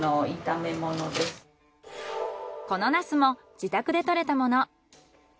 このナスも自宅で採れたもの。